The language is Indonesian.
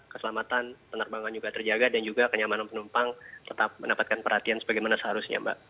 keselamatan penerbangan juga terjaga dan juga kenyamanan penumpang tetap mendapatkan perhatian sebagaimana seharusnya mbak